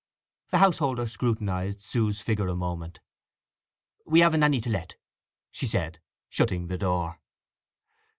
The householder scrutinized Sue's figure a moment. "We haven't any to let," said she, shutting the door.